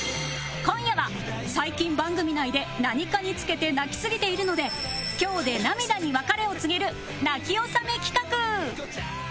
今夜は最近番組内で何かにつけて泣きすぎているので今日で涙に別れを告げる泣き納め企画